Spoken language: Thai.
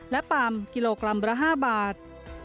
และปัมกิโลกรัมละ๕บาท